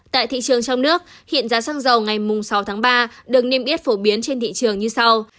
tại thị trường trong nước hiện giá xăng dầu ngày sáu tháng ba được niêm yết phổ biến trên thị trường như sau